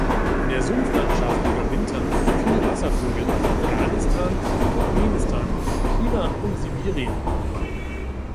In der Sumpflandschaft überwintern viele Wasservögel aus Afghanistan, Turkmenistan, China und Sibirien.